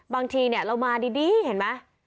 บางทีเรามาดีเห็นไหม